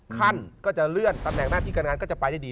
ขั้นก็จะเลื่อนตำแหน่งหน้าที่การงานก็จะไปได้ดี